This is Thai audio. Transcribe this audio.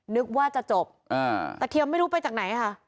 นึกว่าจะจบตะเทียมไม่รู้ไปจากไหนค่ะ